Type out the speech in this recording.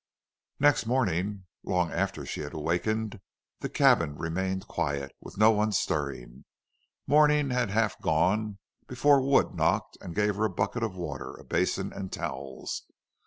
Next morning, long after she had awakened, the cabin remained quiet, with no one stirring. Morning had half gone before Wood knocked and gave her a bucket of water, a basin and towels.